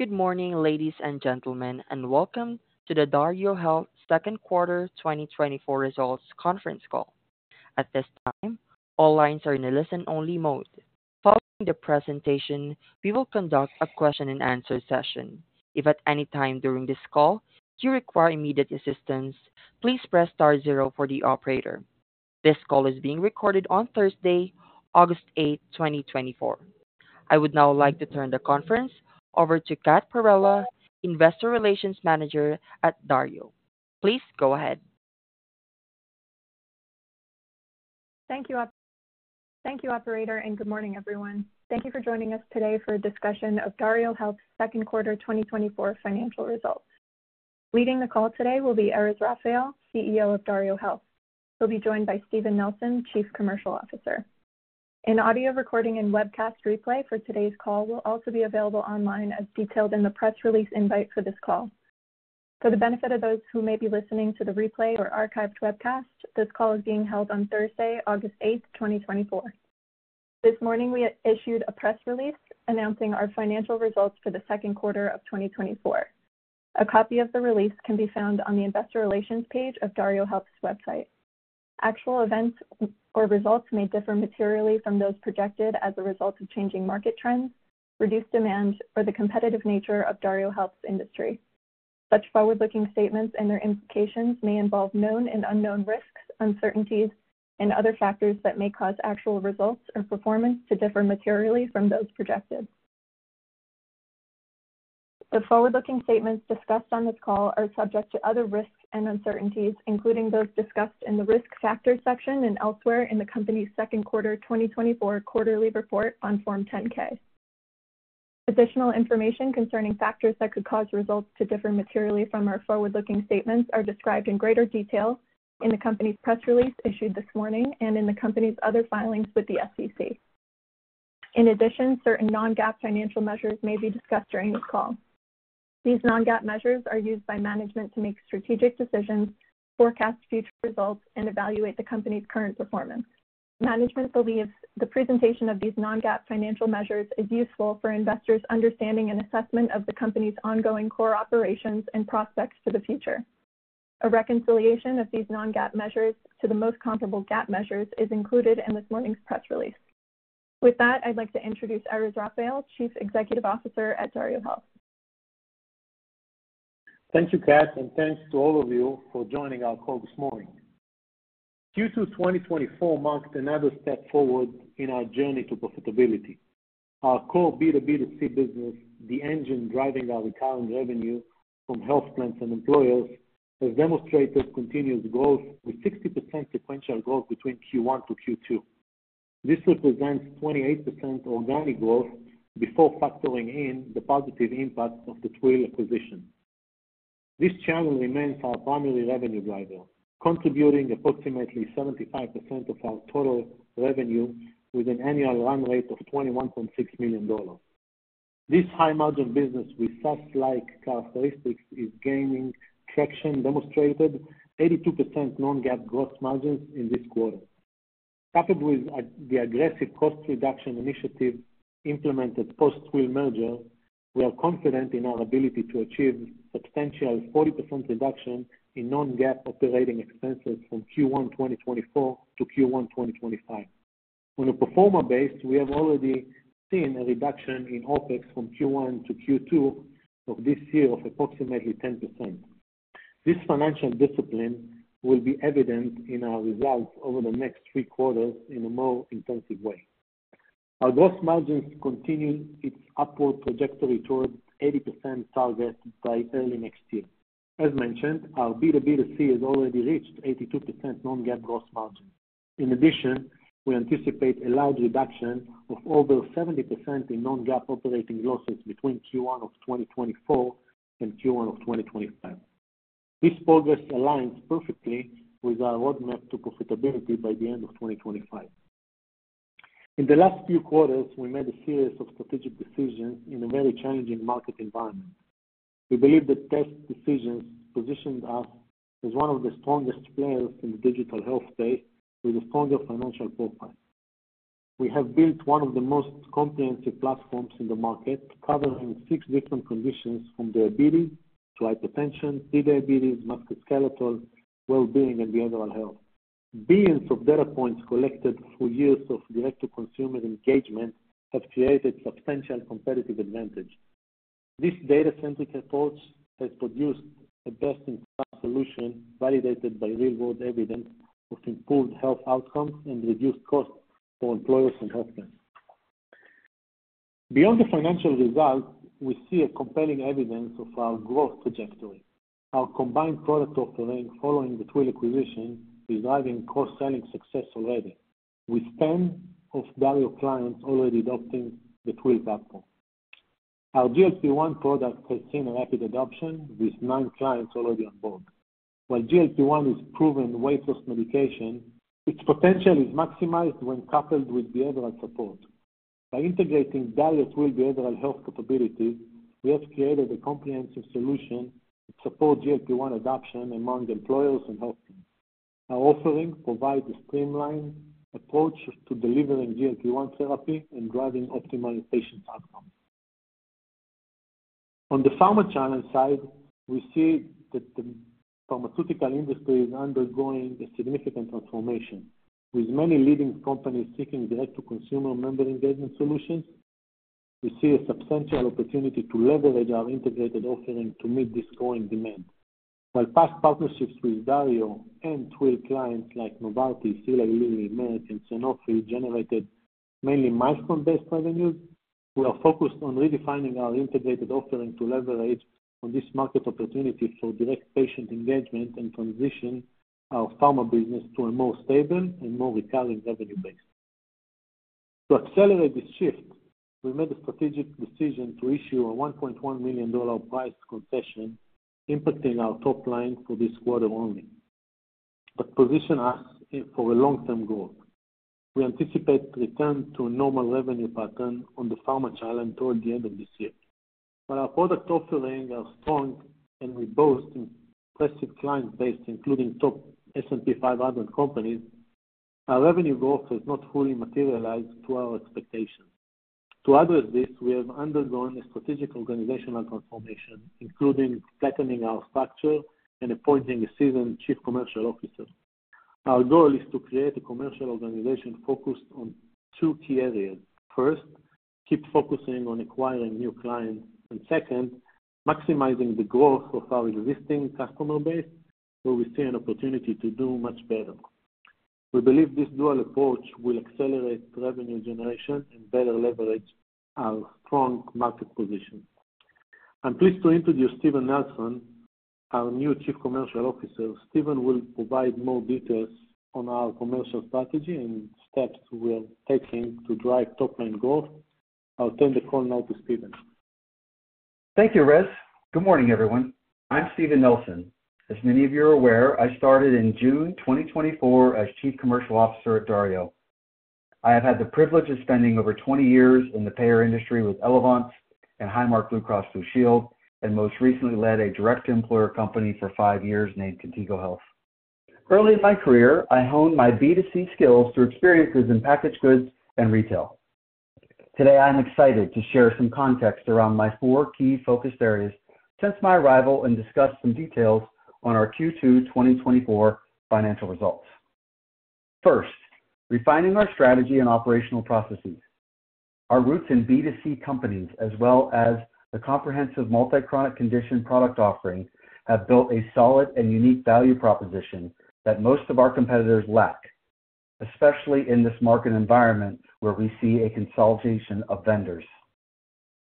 Good morning, ladies and gentlemen, and welcome to the DarioHealth second quarter 2024 results conference call. At this time, all lines are in a listen-only mode. Following the presentation, we will conduct a question and answer session. If at any time during this call you require immediate assistance, please press star zero for the operator. This call is being recorded on Thursday, August 8, 2024. I would now like to turn the conference over to Kat Perella, Investor Relations Manager at DarioHealth. Please go ahead. Thank you, operator, and good morning, everyone. Thank you for joining us today for a discussion of DarioHealth's second quarter 2024 financial results. Leading the call today will be Erez Raphael, CEO of DarioHealth. He'll be joined by Steven Nelson, Chief Commercial Officer. An audio recording and webcast replay for today's call will also be available online, as detailed in the press release invite for this call. For the benefit of those who may be listening to the replay or archived webcast, this call is being held on Thursday, August 8, 2024. This morning, we issued a press release announcing our financial results for the second quarter of 2024. A copy of the release can be found on the investor relations page of DarioHealth's website. Actual events or results may differ materially from those projected as a result of changing market trends, reduced demand, or the competitive nature of DarioHealth's industry. Such forward-looking statements and their implications may involve known and unknown risks, uncertainties, and other factors that may cause actual results or performance to differ materially from those projected. The forward-looking statements discussed on this call are subject to other risks and uncertainties, including those discussed in the Risk Factors section and elsewhere in the company's second quarter 2024 quarterly report on Form 10-K. Additional information concerning factors that could cause results to differ materially from our forward-looking statements are described in greater detail in the company's press release issued this morning, and in the company's other filings with the SEC. In addition, certain non-GAAP financial measures may be discussed during this call. These non-GAAP measures are used by management to make strategic decisions, forecast future results, and evaluate the company's current performance. Management believes the presentation of these non-GAAP financial measures is useful for investors' understanding and assessment of the company's ongoing core operations and prospects for the future. A reconciliation of these non-GAAP measures to the most comparable GAAP measures is included in this morning's press release. With that, I'd like to introduce Erez Raphael, Chief Executive Officer at DarioHealth. Thank you, Kat, and thanks to all of you for joining our call this morning. Q2 2024 marked another step forward in our journey to profitability. Our core B2B2C business, the engine driving our recurring revenue from health plans and employers, has demonstrated continuous growth, with 60% sequential growth between Q1 to Q2. This represents 28% organic growth before factoring in the positive impact of the Twill acquisition. This channel remains our primary revenue driver, contributing approximately 75% of our total revenue with an annual run rate of $21.6 million. This high-margin business with SaaS-like characteristics is gaining traction, demonstrated 82% non-GAAP gross margins in this quarter. Coupled with the aggressive cost reduction initiative implemented post-Twill merger, we are confident in our ability to achieve substantial 40% reduction in non-GAAP operating expenses from Q1 2024 to Q1 2025. On a pro forma basis, we have already seen a reduction in OpEx from Q1 to Q2 of this year of approximately 10%. This financial discipline will be evident in our results over the next three quarters in a more intensive way. Our gross margins continue its upward trajectory towards 80% target by early next year. As mentioned, our B2B2C has already reached 82% non-GAAP gross margin. In addition, we anticipate a large reduction of over 70% in non-GAAP operating losses between Q1 of 2024 and Q1 of 2025. This progress aligns perfectly with our roadmap to profitability by the end of 2025. In the last few quarters, we made a series of strategic decisions in a very challenging market environment. We believe that test decisions positioned us as one of the strongest players in the digital health space, with a stronger financial profile. We have built one of the most comprehensive platforms in the market, covering six different conditions, from diabetes to hypertension, prediabetes, musculoskeletal, well-being, and behavioral health. Billions of data points collected through years of direct-to-consumer engagement have created substantial competitive advantage. This data-centric approach has produced a best-in-class solution, validated by real-world evidence of improved health outcomes and reduced costs for employers and healthcare. Beyond the financial results, we see a compelling evidence of our growth trajectory. Our combined product offering following the Twill acquisition is driving cross-selling success already, with 10 of Dario clients already adopting the Twill platform. Our GLP-1 product has seen a rapid adoption, with nine clients already on board. While GLP-1 is proven weight loss medication, its potential is maximized when coupled with behavioral support. By integrating diet with behavioral health capability, we have created a comprehensive solution to support GLP-1 adoption among employers and health plans... Our offering provide a streamlined approach to delivering GLP-1 therapy and driving optimized patient outcomes. On the pharma channel side, we see that the pharmaceutical industry is undergoing a significant transformation, with many leading companies seeking direct-to-consumer member engagement solutions. We see a substantial opportunity to leverage our integrated offering to meet this growing demand. While past partnerships with Dario and Twill clients like Novartis, Eli Lilly, Merck, and Sanofi generated mainly milestone-based revenues, we are focused on redefining our integrated offering to leverage on this market opportunity for direct patient engagement and transition our pharma business to a more stable and more recurring revenue base. To accelerate this shift, we made a strategic decision to issue a $1.1 million price concession, impacting our top line for this quarter only, but position us for a long-term goal. We anticipate return to a normal revenue pattern on the pharma channel toward the end of this year. While our product offerings are strong and we boast impressive client base, including top S&P 500 companies, our revenue growth has not fully materialized to our expectations. To address this, we have undergone a strategic organizational transformation, including flattening our structure and appointing a seasoned Chief Commercial Officer. Our goal is to create a commercial organization focused on two key areas. First, keep focusing on acquiring new clients, and second, maximizing the growth of our existing customer base, where we see an opportunity to do much better. We believe this dual approach will accelerate revenue generation and better leverage our strong market position. I'm pleased to introduce Steven Nelson, our new Chief Commercial Officer. Steven will provide more details on our commercial strategy and steps we're taking to drive top-line growth. I'll turn the call now to Steven. Thank you, Erez. Good morning, everyone. I'm Steven Nelson. As many of you are aware, I started in June 2024 as Chief Commercial Officer at Dario. I have had the privilege of spending over 20 years in the payer industry with Elevance and Highmark Blue Cross Blue Shield, and most recently led a direct employer company for 5 years named Contigo Health. Early in my career, I honed my B2C skills through experiences in packaged goods and retail. Today, I'm excited to share some context around my 4 key focus areas since my arrival, and discuss some details on our Q2 2024 financial results. First, refining our strategy and operational processes. Our roots in B2C companies, as well as the comprehensive multi-chronic condition product offerings, have built a solid and unique value proposition that most of our competitors lack, especially in this market environment where we see a consolidation of vendors.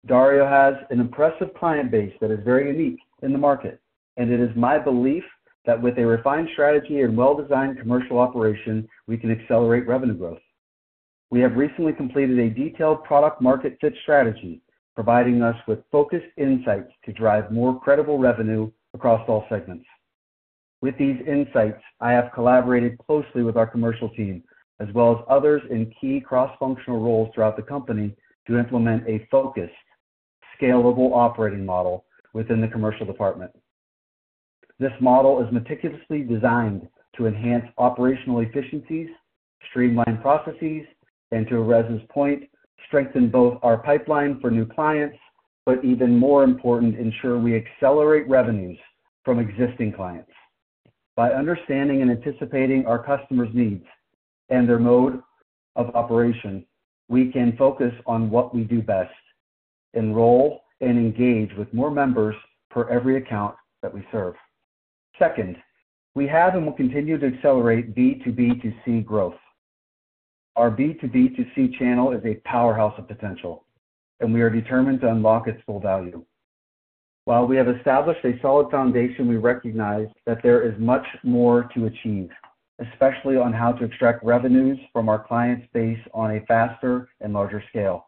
Dario has an impressive client base that is very unique in the market, and it is my belief that with a refined strategy and well-designed commercial operation, we can accelerate revenue growth. We have recently completed a detailed product market fit strategy, providing us with focused insights to drive more credible revenue across all segments. With these insights, I have collaborated closely with our commercial team, as well as others in key cross-functional roles throughout the company, to implement a focused, scalable operating model within the commercial department. This model is meticulously designed to enhance operational efficiencies, streamline processes, and, to Erez's point, strengthen both our pipeline for new clients, but even more important, ensure we accelerate revenues from existing clients. By understanding and anticipating our customers' needs and their mode of operation, we can focus on what we do best: enroll and engage with more members for every account that we serve. Second, we have and will continue to accelerate B2B2C growth. Our B2B2C channel is a powerhouse of potential, and we are determined to unlock its full value. While we have established a solid foundation, we recognize that there is much more to achieve, especially on how to extract revenues from our client base on a faster and larger scale.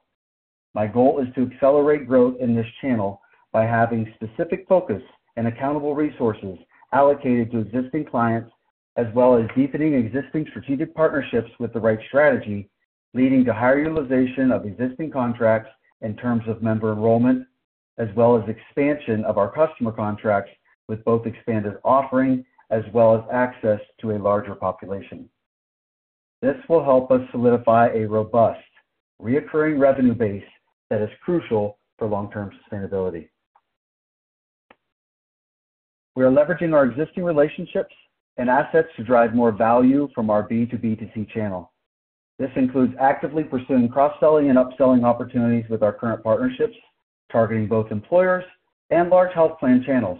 My goal is to accelerate growth in this channel by having specific focus and accountable resources allocated to existing clients, as well as deepening existing strategic partnerships with the right strategy, leading to higher utilization of existing contracts in terms of member enrollment, as well as expansion of our customer contracts with both expanded offering as well as access to a larger population. This will help us solidify a robust, recurring revenue base that is crucial for long-term sustainability. We are leveraging our existing relationships and assets to drive more value from our B2B2C channel. This includes actively pursuing cross-selling and upselling opportunities with our current partnerships, targeting both employers and large health plan channels.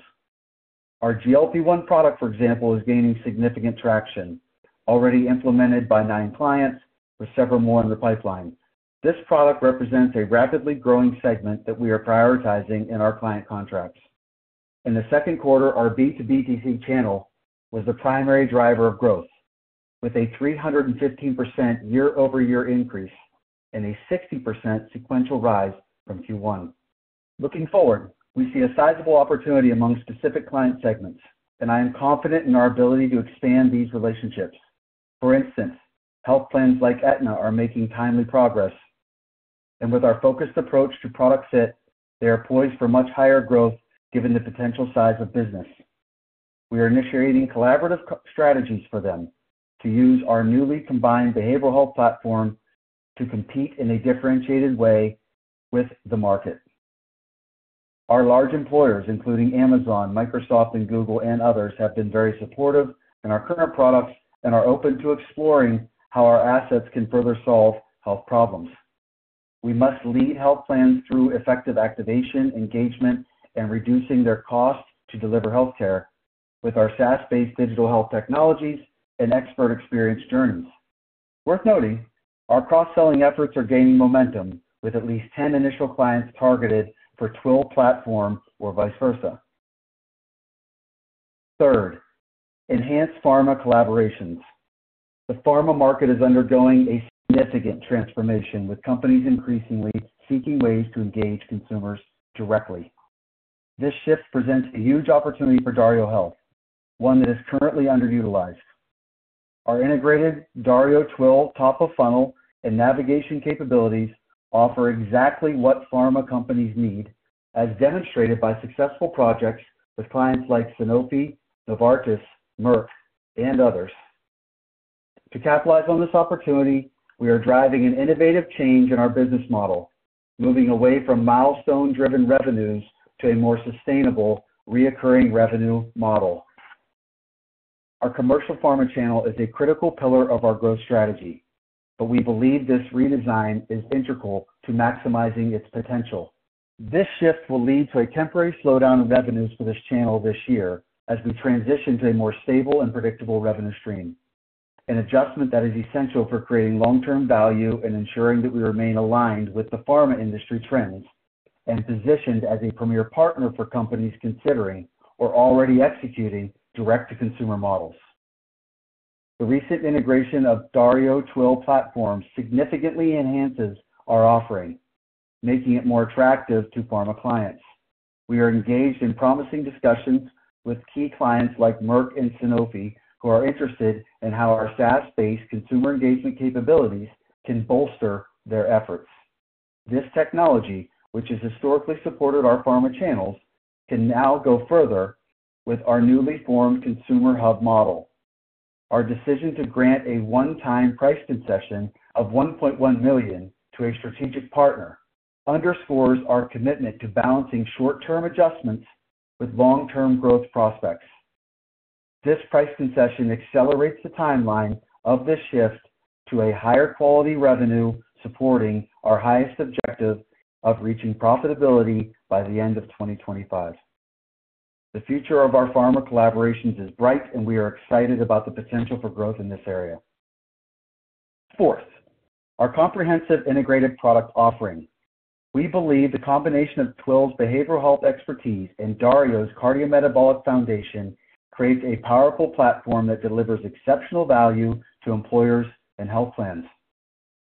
Our GLP-1 product, for example, is gaining significant traction, already implemented by nine clients with several more in the pipeline. This product represents a rapidly growing segment that we are prioritizing in our client contracts. In the second quarter, our B2B2C channel was the primary driver of growth, with a 315% year-over-year increase and a 60% sequential rise from Q1. Looking forward, we see a sizable opportunity among specific client segments, and I am confident in our ability to expand these relationships. For instance, health plans like Aetna are making timely progress, and with our focused approach to product set, they are poised for much higher growth given the potential size of business. We are initiating collaborative co-strategies for them to use our newly combined behavioral health platform to compete in a differentiated way with the market. Our large employers, including Amazon, Microsoft, and Google, and others, have been very supportive in our current products and are open to exploring how our assets can further solve health problems. We must lead health plans through effective activation, engagement, and reducing their costs to deliver healthcare with our SaaS-based digital health technologies and expert experience journeys. Worth noting, our cross-selling efforts are gaining momentum, with at least 10 initial clients targeted for Twill platform or vice versa. Third, enhance pharma collaborations. The pharma market is undergoing a significant transformation, with companies increasingly seeking ways to engage consumers directly. This shift presents a huge opportunity for DarioHealth, one that is currently underutilized. Our integrated Dario Twill top-of-funnel and navigation capabilities offer exactly what pharma companies need, as demonstrated by successful projects with clients like Sanofi, Novartis, Merck, and others. To capitalize on this opportunity, we are driving an innovative change in our business model, moving away from milestone-driven revenues to a more sustainable recurring revenue model. Our commercial pharma channel is a critical pillar of our growth strategy, but we believe this redesign is integral to maximizing its potential. This shift will lead to a temporary slowdown of revenues for this channel this year as we transition to a more stable and predictable revenue stream, an adjustment that is essential for creating long-term value and ensuring that we remain aligned with the pharma industry trends, and positioned as a premier partner for companies considering or already executing direct-to-consumer models. The recent integration of DarioHealth Twill platform significantly enhances our offering, making it more attractive to pharma clients. We are engaged in promising discussions with key clients like Merck and Sanofi, who are interested in how our SaaS-based consumer engagement capabilities can bolster their efforts. This technology, which has historically supported our pharma channels, can now go further with our newly formed Consumer Hub model. Our decision to grant a one-time price concession of $1.1 million to a strategic partner underscores our commitment to balancing short-term adjustments with long-term growth prospects. This price concession accelerates the timeline of this shift to a higher quality revenue, supporting our highest objective of reaching profitability by the end of 2025. The future of our pharma collaborations is bright, and we are excited about the potential for growth in this area. Fourth, our comprehensive integrated product offering. We believe the combination of Twill's behavioral health expertise and Dario's cardiometabolic foundation creates a powerful platform that delivers exceptional value to employers and health plans.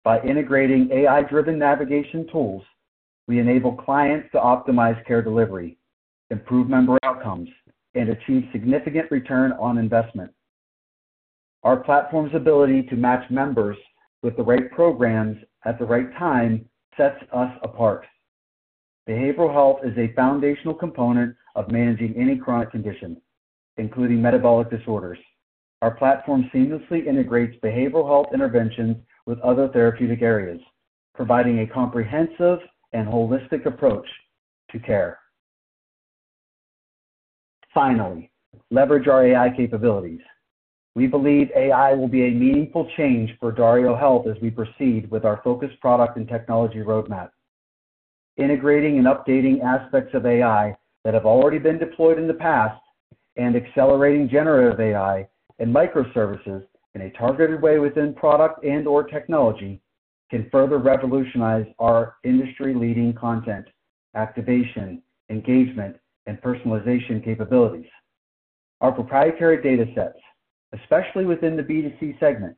By integrating AI-driven navigation tools, we enable clients to optimize care delivery, improve member outcomes, and achieve significant return on investment. Our platform's ability to match members with the right programs at the right time sets us apart. Behavioral health is a foundational component of managing any chronic condition, including metabolic disorders. Our platform seamlessly integrates behavioral health interventions with other therapeutic areas, providing a comprehensive and holistic approach to care. Finally, leverage our AI capabilities. We believe AI will be a meaningful change for DarioHealth as we proceed with our focused product and technology roadmap. Integrating and updating aspects of AI that have already been deployed in the past, and accelerating generative AI and microservices in a targeted way within product and/or technology, can further revolutionize our industry-leading content, activation, engagement, and personalization capabilities. Our proprietary data sets, especially within the B2C segment,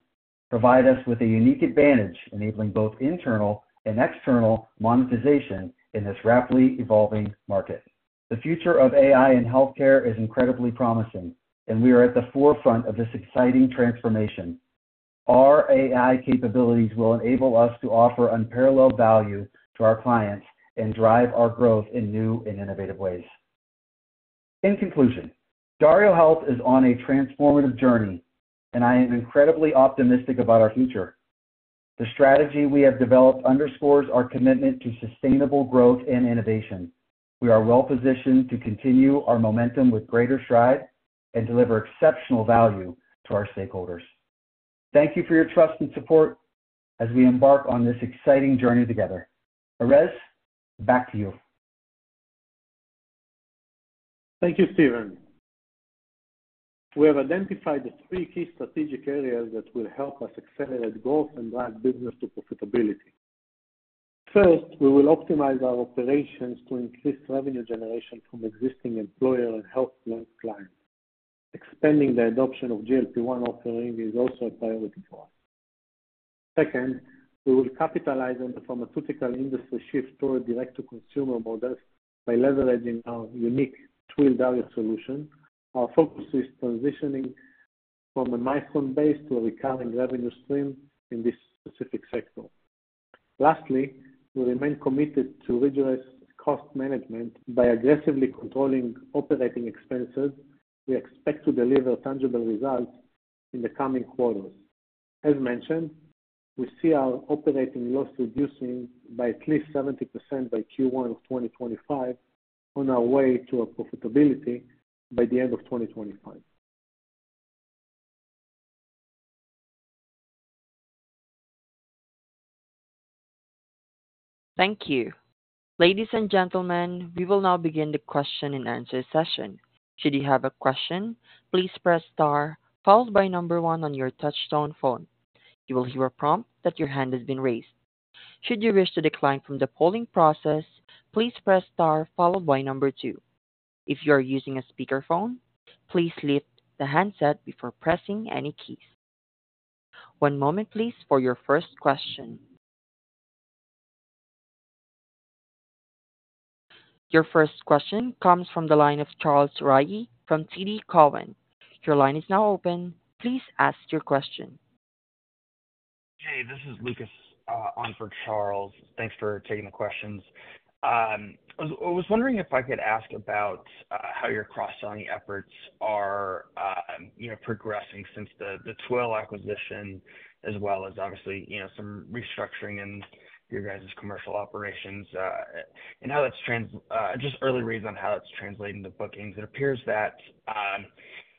provide us with a unique advantage, enabling both internal and external monetization in this rapidly evolving market. The future of AI in healthcare is incredibly promising, and we are at the forefront of this exciting transformation. Our AI capabilities will enable us to offer unparalleled value to our clients and drive our growth in new and innovative ways. In conclusion, DarioHealth is on a transformative journey, and I am incredibly optimistic about our future. The strategy we have developed underscores our commitment to sustainable growth and innovation. We are well positioned to continue our momentum with greater stride and deliver exceptional value to our stakeholders. Thank you for your trust and support as we embark on this exciting journey together. Erez, back to you. Thank you, Steven. We have identified the three key strategic areas that will help us accelerate growth and drive business to profitability. First, we will optimize our operations to increase revenue generation from existing employer and health plan clients. Expanding the adoption of GLP-1 offering is also a priority for us. Second, we will capitalize on the pharmaceutical industry shift toward direct-to-consumer models by leveraging our unique Twill Dario solution. Our focus is transitioning-... from a milestone base to a recurring revenue stream in this specific sector. Lastly, we remain committed to rigorous cost management by aggressively controlling operating expenses. We expect to deliver tangible results in the coming quarters. As mentioned, we see our operating loss reducing by at least 70% by Q1 of 2025, on our way to a profitability by the end of 2025. Thank you. Ladies and gentlemen, we will now begin the question and answer session. Should you have a question, please press star, followed by 1 on your touchtone phone. You will hear a prompt that your hand has been raised. Should you wish to decline from the polling process, please press star followed by 2. If you are using a speakerphone, please lift the handset before pressing any keys. One moment, please, for your first question. Your first question comes from the line of Charles Rhyee from TD Cowen. Your line is now open. Please ask your question. Hey, this is Lucas on for Charles. Thanks for taking the questions. I was wondering if I could ask about how your cross-selling efforts are, you know, progressing since the Twill acquisition, as well as obviously, you know, some restructuring in your guys' commercial operations, and how that's translating, just early reads on how it's translating to bookings. It appears that,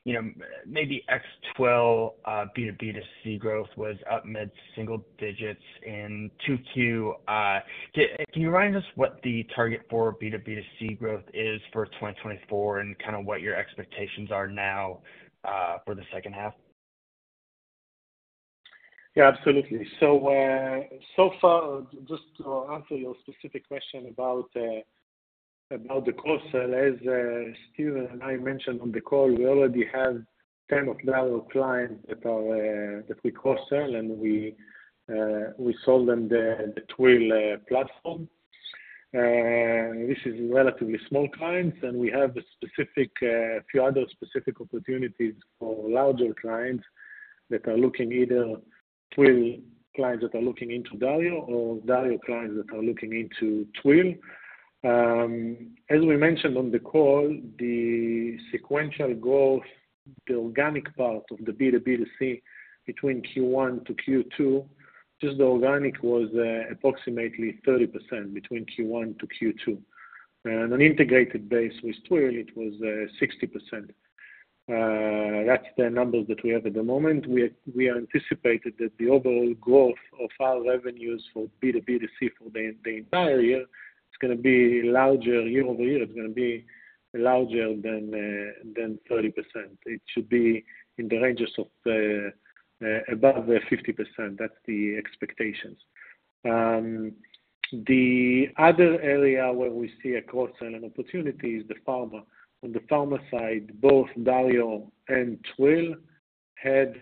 you know, maybe ex Twill, B2B2C growth was up mid-single digits in 2Q. Can you remind us what the target for B2B2C growth is for 2024, and kinda what your expectations are now for the second half? Yeah, absolutely. So, so far, just to answer your specific question about the cross-sell, as Steven and I mentioned on the call, we already have 10 of our clients that we cross-sell, and we sold them the Twill platform. This is relatively small clients, and we have a specific few other specific opportunities for larger clients that are looking either Twill clients that are looking into Dario or Dario clients that are looking into Twill. As we mentioned on the call, the sequential growth, the organic part of the B2B2C between Q1 to Q2, just the organic was approximately 30% between Q1 to Q2. And an integrated base with Twill, it was 60%. That's the numbers that we have at the moment. We are anticipated that the overall growth of our revenues for B2B2C for the entire year is gonna be larger year-over-year, it's gonna be larger than thirty percent. It should be in the ranges of above fifty percent. That's the expectations. The other area where we see a cross-sell and opportunity is the pharma. On the pharma side, both Dario and Twill had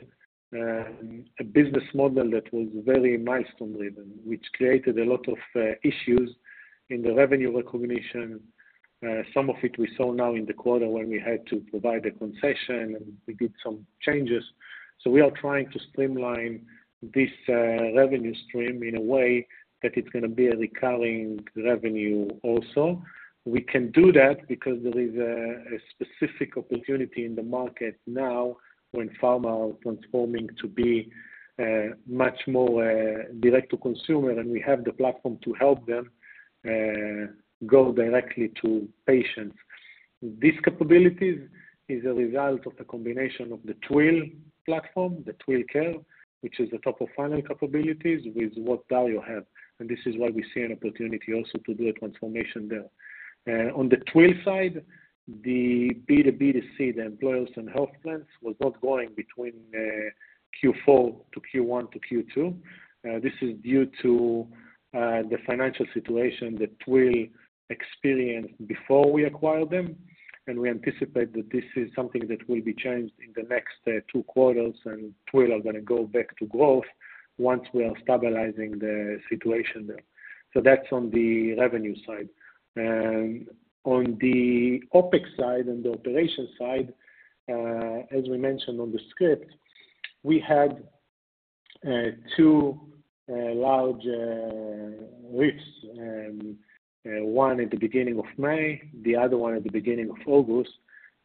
a business model that was very milestone-driven, which created a lot of issues in the revenue recognition. Some of it we saw now in the quarter when we had to provide a concession, and we did some changes. So we are trying to streamline this revenue stream in a way that it's gonna be a recurring revenue also. We can do that because there is a specific opportunity in the market now, when pharma are transforming to be much more direct to consumer, and we have the platform to help them go directly to patients. These capabilities is a result of the combination of the Twill platform, the Twill Care, which is the top-of-funnel capabilities, with what value you have. And this is why we see an opportunity also to do a transformation there. On the Twill side, the B2B2C, the employers and health plans, was not growing between Q4 to Q1 to Q2. This is due to the financial situation that Twill experienced before we acquired them, and we anticipate that this is something that will be changed in the next two quarters, and Twill are gonna go back to growth once we are stabilizing the situation there. So that's on the revenue side. And on the OpEx side and the operations side, as we mentioned on the script, we had two large risks, one at the beginning of May, the other one at the beginning of August,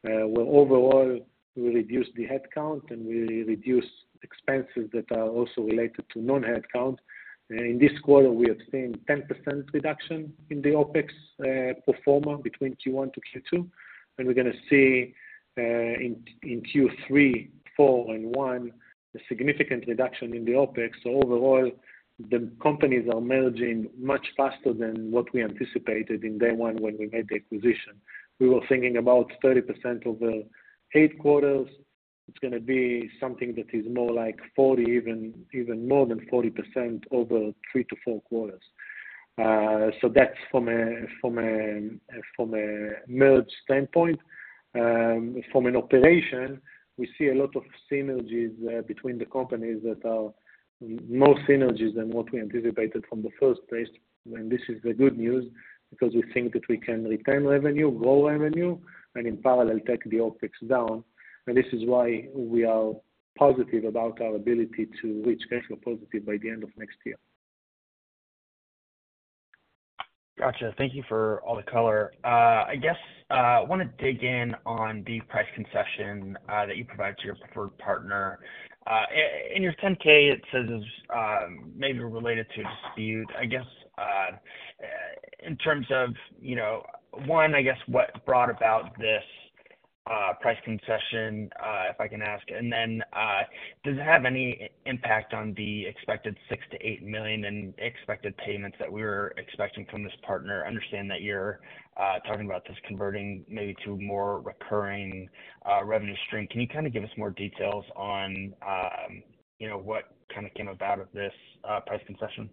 where overall, we reduced the headcount and we reduced expenses that are also related to non-headcount. In this quarter, we obtained 10% reduction in the OpEx from Q1 to Q2, and we're gonna see in Q3, Q4 and Q1, a significant reduction in the OpEx. So overall, the companies are merging much faster than what we anticipated in day one when we made the acquisition. We were thinking about 30% over 8 quarters. It's gonna be something that is more like 40, even, even more than 40% over 3-4 quarters. So that's from a merge standpoint. From an operation, we see a lot of synergies between the companies that are more synergies than what we anticipated from the first place. And this is the good news, because we think that we can retain revenue, grow revenue, and in parallel, take the OpEx down. And this is why we are positive about our ability to reach cash flow positive by the end of next year.... Gotcha. Thank you for all the color. I guess, I want to dig in on the price concession that you provide to your preferred partner. In your 10-K, it says, maybe related to a dispute, I guess. In terms of, you know, one, I guess what brought about this price concession, if I can ask? And then, does it have any impact on the expected $6 million-$8 million in expected payments that we were expecting from this partner? I understand that you're talking about this converting maybe to more recurring revenue stream. Can you kind of give us more details on, you know, what kind of came about of this price concession?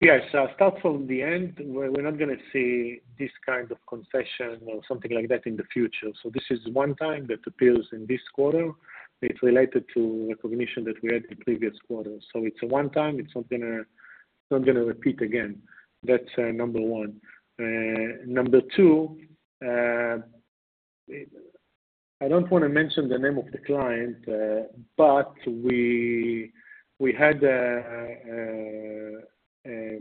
Yes. So I'll start from the end, where we're not gonna see this kind of concession or something like that in the future. So this is one time that appears in this quarter. It's related to recognition that we had in the previous quarter. So it's a one time, it's not gonna repeat again. That's number one. Number two, I don't want to mention the name of the client, but we had a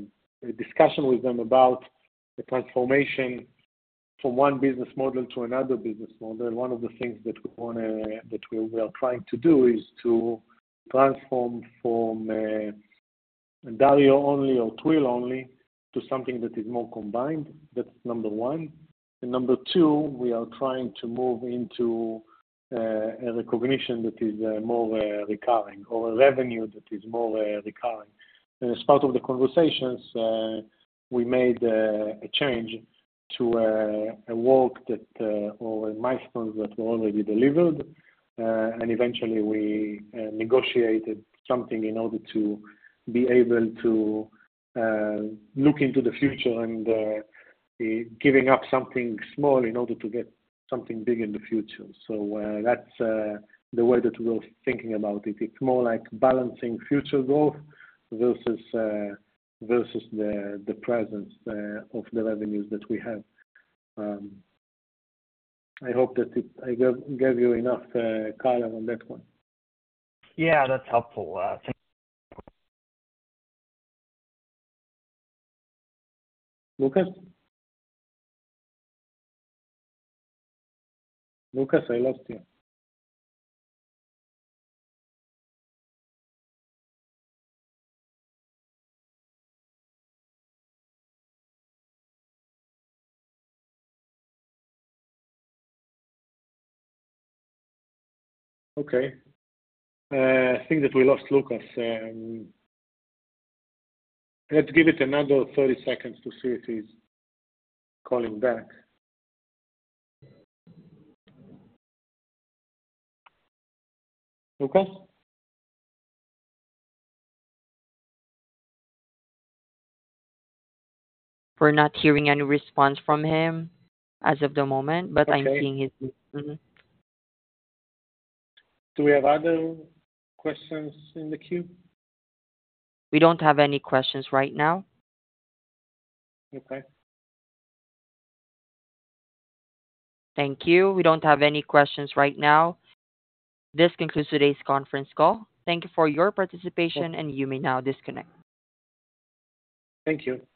discussion with them about the transformation from one business model to another business model. One of the things that we wanna that we are trying to do is to transform from Dario only or Twill only, to something that is more combined. That's number one. Number two, we are trying to move into a recognition that is more recurring, or a revenue that is more recurring. As part of the conversations, we made a change to a work that or a milestone that were already delivered. Eventually we negotiated something in order to be able to look into the future and giving up something small in order to get something big in the future. So, that's the way that we're thinking about it. It's more like balancing future growth versus the presence of the revenues that we have. I hope that I gave you enough color on that one. Yeah, that's helpful. Thank- Lucas? Lucas, I lost you. Okay, I think that we lost Lucas. Let's give it another 30 seconds to see if he's calling back. Lucas? We're not hearing any response from him as of the moment, but I'm seeing his- Okay. Mm-hmm. Do we have other questions in the queue? We don't have any questions right now. Okay. Thank you. We don't have any questions right now. This concludes today's conference call. Thank you for your participation, and you may now disconnect. Thank you.